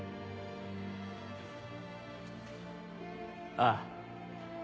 ああ。